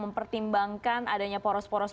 mempertimbangkan adanya poros poros